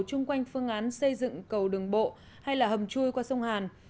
chung quanh phương án xây dựng cầu đường bộ hay là hầm chui qua sông hàn